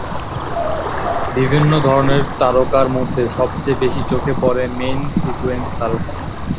বিভিন্ন ধরনের তারকার মধ্যে সবচেয়ে বেশি চোখে পড়ে মেইন-সিকোয়েন্স তারকা।